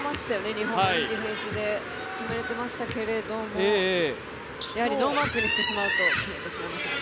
日本のディフェンスで止められていましたけれどもやはりノーマークにしてしまうと決められてしまいますね。